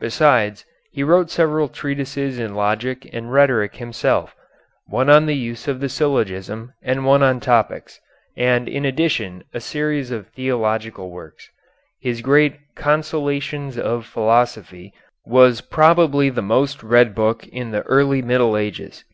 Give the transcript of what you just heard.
Besides, he wrote several treatises in logic and rhetoric himself, one on the use of the syllogism, and one on topics, and in addition a series of theological works. His great "Consolations of Philosophy" was probably the most read book in the early Middle Ages.